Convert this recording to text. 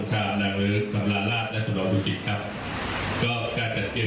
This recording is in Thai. ทำลาลาศและศัลรภัตรุศิษย์ครับก็การจัดเตรียมกำลังในครั้งนี้